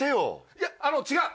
いやあの違う！